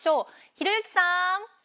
ひろゆきさーん！